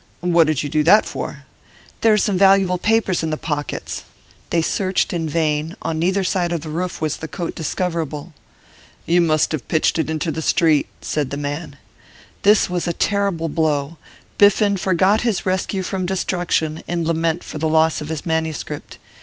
'What did you do that for?' 'There are some valuable papers in the pockets.' They searched in vain; on neither side of the roof was the coat discoverable. 'You must have pitched it into the street,' said the man. This was a terrible blow; Biffen forgot his rescue from destruction in lament for the loss of his manuscript.